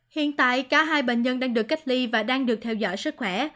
hiện tại cả hai bệnh nhân đang được cách ly và đang được theo dõi sức khỏe